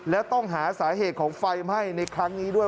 แล้วต้องหาสาเหตุของไฟไหม้ในครั้งนี้ด้วย